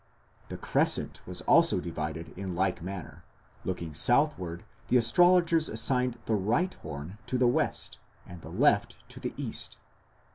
The crescent was also divided in like manner; looking southward the astrologers assigned the right horn to the west and the left to the east.